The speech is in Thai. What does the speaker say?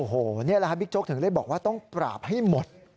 โอ้โหนี่แหละครับบิ๊กโจ๊กถึงได้บอกว่าต้องปราบให้หมด